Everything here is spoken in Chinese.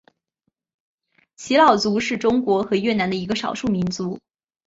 仡佬族是中国和越南的一个少数民族。